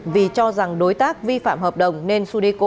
vì cho rằng đối tác vi phạm hợp đồng chuyển nhượng quyền sử dụng đất